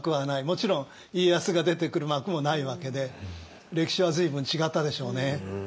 もちろん家康が出てくる幕もないわけで歴史は随分違ったでしょうね。